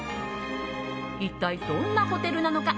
一体どんなホテルなのか。